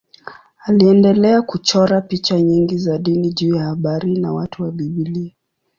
Aliendelea kuchora picha nyingi za dini juu ya habari na watu wa Biblia.